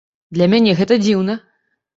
Для мяне гэта дзіўна.